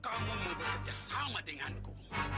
kamu mau bekerja sama denganku